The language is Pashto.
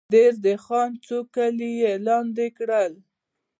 د دیر د خان څو کلي یې لاندې کړل.